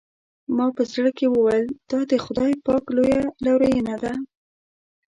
ما په زړه کې وویل دا د خدای پاک لویه لورېینه ده.